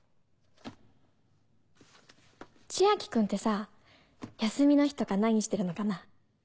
千昭君ってさ休みの日とか何してるのかなぁ。